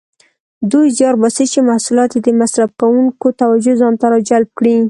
دوی زیار باسي چې محصولات یې د مصرف کوونکو توجه ځانته راجلب کړي.